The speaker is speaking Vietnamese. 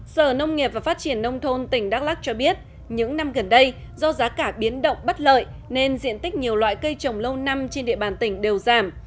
sở nông nghiệp và phát triển nông thôn tỉnh đắk lắc cho biết những năm gần đây do giá cả biến động bất lợi nên diện tích nhiều loại cây trồng lâu năm trên địa bàn tỉnh đều giảm